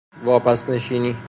واپس نشینی